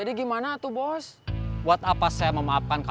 dari pendopo ke asia afrika